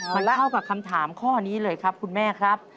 มาเล่ากับคำถามข้อนี้เลยครับคุณแม่ครับ